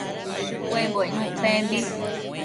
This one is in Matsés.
ushë cuembo icnuc pembi